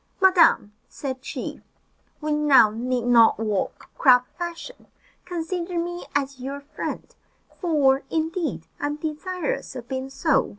"Madam," said she, "we now need not walk crab fashion. Consider me as your friend, for, indeed, I am desirous of being so."